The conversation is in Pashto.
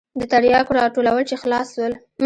د ترياکو راټولول چې خلاص سول.